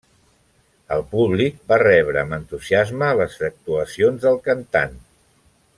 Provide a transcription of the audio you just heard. El públic va rebre amb entusiasme les actuacions del cantant.